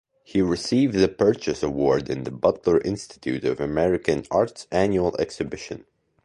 He received the Purchase award in the Butler Institute of American Art's annual exhibition.